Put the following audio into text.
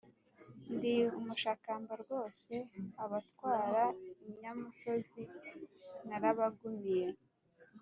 Ndi umushakamba rwose, abatwara inyamusozi narabagumiye.